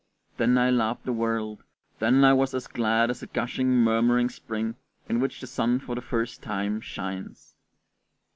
Then I loved the world, then I was as glad as a gushing, murmuring spring in which the sun for the first time shines.